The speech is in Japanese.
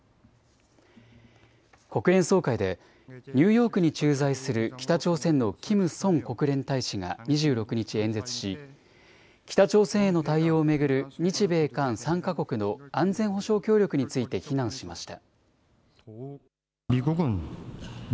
国連総会でニューヨークに駐在する北朝鮮のキム・ソン国連大使が２６日、演説し北朝鮮への対応を巡る日米韓３か国の安全保障協力について非難しました。